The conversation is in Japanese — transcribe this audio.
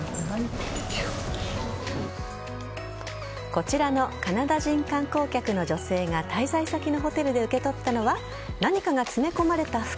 こちらのカナダ人観光客の女性が滞在先のホテルで受け取ったのは何かが詰め込まれた袋。